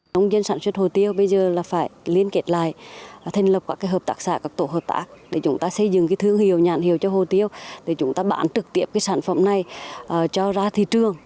nông dân sản xuất hồ tiêu bây giờ là phải liên kết lại thành lập các hợp tác xã các tổ hợp tác để chúng ta xây dựng thương hiệu nhàn hiệu cho hồ tiêu để chúng ta bán trực tiếp sản phẩm này cho ra thị trường